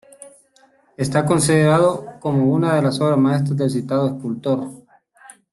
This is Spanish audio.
Está considerado como una de las obras maestras del citado escultor.